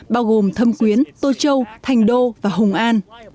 bao gồm thâm quyến tô châu thành đô và hồng an